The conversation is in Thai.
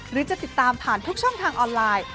หรือจะติดตามผ่านทุกช่องทางออนไลน์